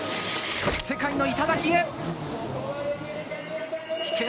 世界の頂へ！